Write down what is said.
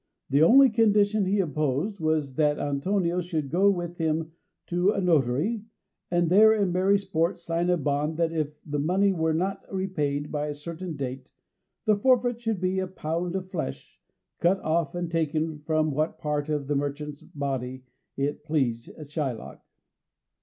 The only condition he imposed was that Antonio should go with him to a notary, and there, in merry sport, sign a bond that if the money were not repaid by a certain day the forfeit should be a pound of flesh, cut off and taken from what part of the merchant's body it pleased Shylock.